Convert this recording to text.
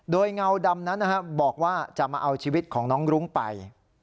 โดยเงาดำนั้นบอกว่าจะมาเอาชีวิตของน้องรุ้งไป